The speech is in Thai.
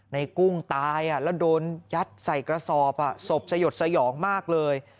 กุ้งตายแล้วโดนยัดใส่กระสอบศพสยดสยองมากเลย